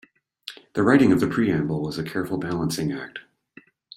The writing of the Preamble was a careful balancing act.